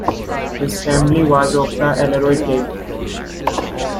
His family was of the Alaroy teip.